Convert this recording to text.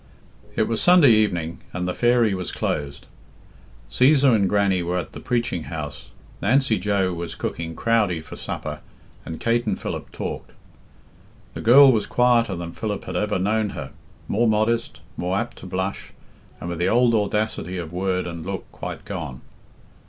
It was Sunday evening, and the "Fairy" was closed. Csesar and Grannie were at the preaching house, Nancy Joe was cooking crowdie for supper, and Kate and Philip talked. The girl was quieter than Philip had ever known her more modest, more apt to blush, and with the old audacity of word and look quite gone.